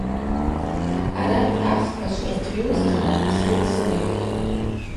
Арат ахпа швырхъйузтын суыцнайпӏ.